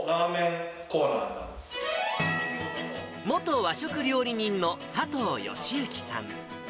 元和食料理人の佐藤義之さん